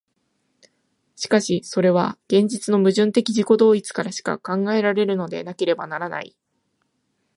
しかしそれは現実の矛盾的自己同一からしか考えられるのでなければならない。